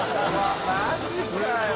Δマジかよ。